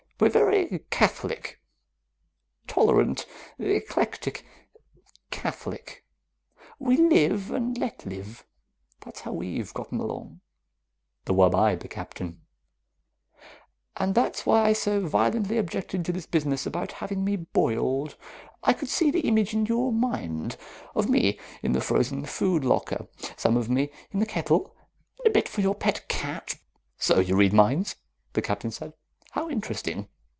We're very catholic. Tolerant, eclectic, catholic. We live and let live. That's how we've gotten along." The wub eyed the Captain. "And that's why I so violently objected to this business about having me boiled. I could see the image in your mind most of me in the frozen food locker, some of me in the kettle, a bit for your pet cat " "So you read minds?" the Captain said. "How interesting.